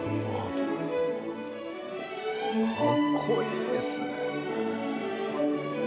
かっこいいですね。